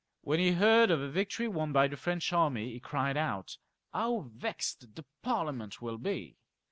When he heard of a victory won by the French army, he cried out, " How vexed the Parliament will be